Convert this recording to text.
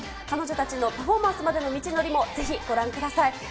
彼女たちのパフォーマンスまでの道のりも、ぜひご覧ください。